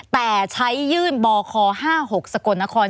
แต่ใช้ยื่นบค๕๖สกลนคร